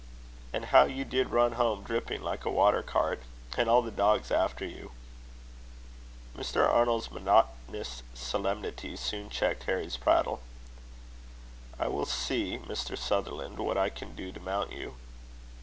"And how you did run home, dripping like a water cart! and all the dogs after you!" Mr. Arnold's monotonous solemnity soon checked Harry's prattle. "I will see, Mr. Sutherland, what I can do to mount you."